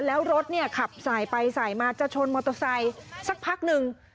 แล้วรถเนี่ยขับสายไปสายมาจะชนมอเตอร์ไซค์สักพักหนึ่ง